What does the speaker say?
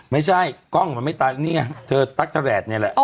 ไม่ใช่กล้องมันไม่ตายนี่ไงเธอตั๊กเทอร์แลดเนี่ยแหละ